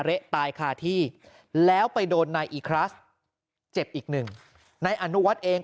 เละตายคาที่แล้วไปโดนนายอีคลัสเจ็บอีกหนึ่งนายอนุวัฒน์เอง